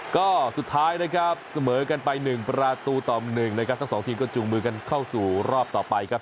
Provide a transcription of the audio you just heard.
ก็สุดท้ายนะครับเสมอกันไป๑ประตูต่อ๑นะครับทั้งสองทีมก็จูงมือกันเข้าสู่รอบต่อไปครับ